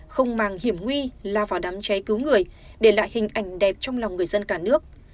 không màng hiểm nguy lao vào đám cháy cứu người để lại hình ảnh đẹp trong lòng người dân cả nước